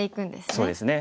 そうですね。